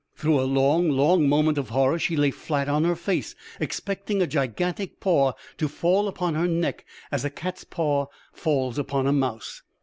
Through a long, long moment of horror she lay flat on her face, expecting a gigantic paw to fall upon her neck as a cat's paw falls upon a mouse.